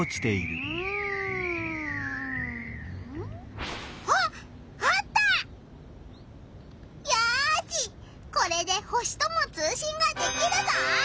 よしこれで星とも通しんができるぞ！